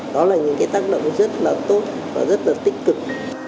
đó là những cái tác động rất là tốt và rất là tích cực